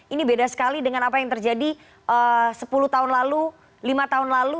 ini beda sekali dengan apa yang terjadi sepuluh tahun lalu lima tahun lalu